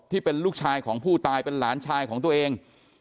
ที่เป็นลูกชายของผู้ตายเป็นหลานชายของตัวเอง